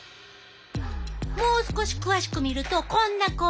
もう少し詳しく見るとこんな構造。